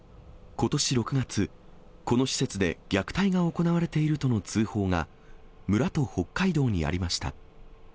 ことし６月、この施設で虐待が行われているとの通報が、村と北海道にありました。